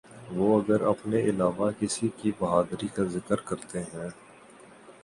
وہ اگر اپنے علاوہ کسی کی بہادری کا ذکر کرتے ہیں۔